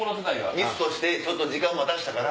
ミスとしてちょっと時間待たしたから。